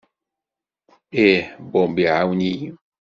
Ih, Bob iɛawen-iyi.